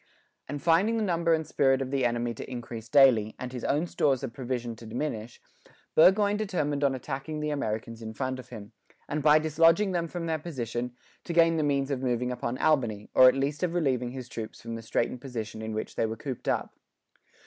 And finding the number and spirit of the enemy to increase daily, and his own stores of provision to diminish, Burgoyne determined on attacking the Americans in front of him, and by dislodging them from their position, to gain the means of moving upon Albany, or at least of relieving his troops from the straitened position in which they were cooped up.